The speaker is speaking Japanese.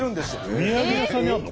お土産屋さんにあるの？